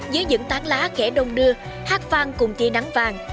dưới những tán lá khẽ đông đưa hát vang cùng tia nắng vàng